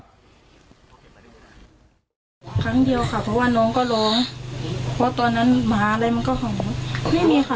ครั้งเดียวค่ะเพราะว่าน้องก็ร้องเพราะตอนนั้นหมาอะไรมันก็หอมไม่มีค่ะ